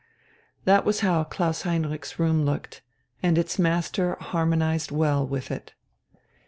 That was how Klaus Heinrich's room looked, and its master harmonized well with it.